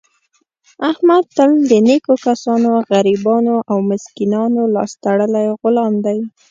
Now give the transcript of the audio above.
احمد تل د نېکو کسانو، غریبانو او مسکینانو لاس تړلی غلام دی.